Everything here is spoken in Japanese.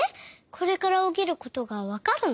これからおきることがわかるの？